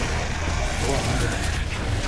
abo bana ni bande